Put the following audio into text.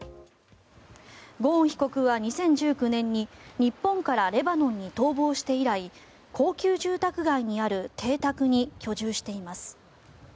ゴーン被告は２０１９年に日本からレバノンに逃亡して以来高級住宅街にある邸宅に居住しています。